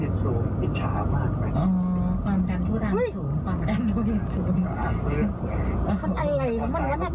ออ่อออออออความจำชั่วด่าสูง